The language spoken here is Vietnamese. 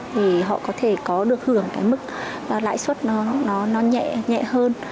thì họ có thể có được hưởng cái mức lãi suất nó nhẹ nhẹ hơn